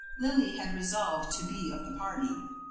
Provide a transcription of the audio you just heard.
Lily had resolved to be of the party.